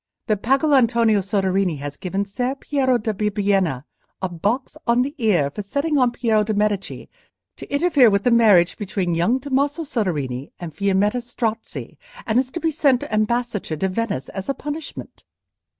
—that Pagolantonio Soderini has given Ser Piero da Bibbiena a box on the ear for setting on Piero de' Medici to interfere with the marriage between young Tommaso Soderini and Fiammetta Strozzi, and is to be sent ambassador to Venice as a punishment?"